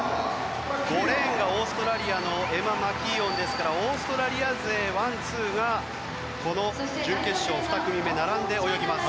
５レーンがオーストラリアのエマ・マキーオンですからオーストラリア勢ワンツーがこの準決勝２組目並んで泳ぎます。